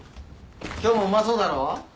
今日もうまそうだろ？